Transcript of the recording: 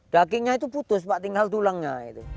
dagingnya itu putus pak tinggal tulangnya